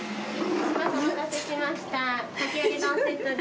お待たせしました。